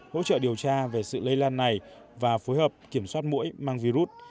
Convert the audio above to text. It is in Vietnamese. hỗ trợ điều tra về sự lây lan này và phối hợp kiểm soát mũi mang virus